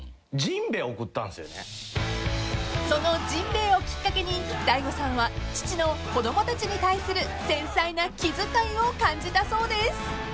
［その甚平をきっかけに大悟さんは父の子供たちに対する繊細な気遣いを感じたそうです］